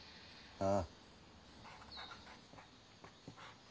ああ。